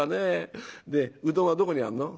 でうどんはどこにあるの？」。